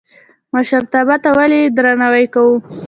مشرتابه ته ولې درناوی کوو؟